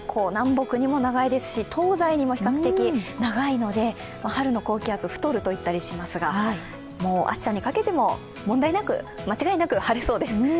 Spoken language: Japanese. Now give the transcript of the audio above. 南北にも長いですし東西にも比較的長いので、春の高気圧は太ると言ったりしますが明日にかけても問題なく間違いなく晴れそうです。